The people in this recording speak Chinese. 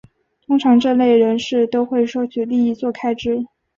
通常这类人士都会收取利益作开支。